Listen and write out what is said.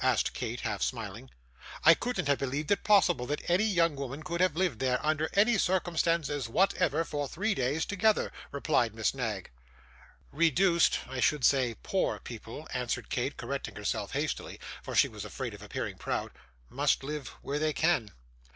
asked Kate, half smiling. 'I couldn't have believed it possible that any young woman could have lived there, under any circumstances whatever, for three days together,' replied Miss Knag. 'Reduced I should say poor people,' answered Kate, correcting herself hastily, for she was afraid of appearing proud, 'must live where they can.